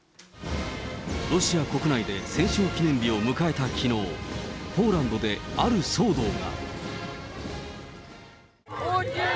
ロシア国内で戦勝記念日を迎えたきのう、ポーランドである騒動が。